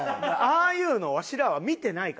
ああいうのをわしらは見てないから。